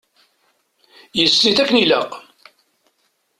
Yessen-it akken i ilaq.